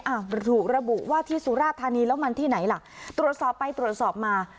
อ่ะถูกระบุว่าที่สุราธานีแล้วมันที่ไหนล่ะตรวจสอบไปตรวจสอบมา